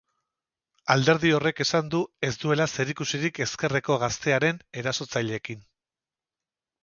Alderdi horrek esan du ez duela zerikusirik ezkerreko gaztearen erasotzaileekin.